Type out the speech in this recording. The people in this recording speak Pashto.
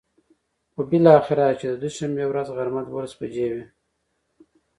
خو بلااخره چې د دوشنبې ورځ غرمه ،دولس بچې وې.